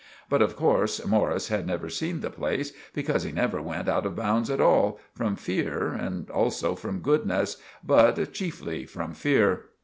But of course Morris had never seen the place, because he never went out of bounds at all, from fear and also from goodness, but cheefly from fear.